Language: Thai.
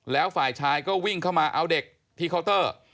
แล้วฝ่ายชายก็วิ่งเข้ามาเอาเด็กที่เคาน์เตอร์